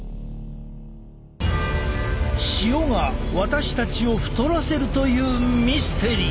塩が私たちを太らせるというミステリー。